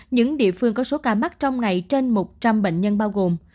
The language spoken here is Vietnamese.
những địa phương có số ca mắc trong ngày trên một trăm linh bệnh nhân bao gồm